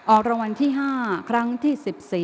ออกรางวัลที่๕ครั้งที่๑๔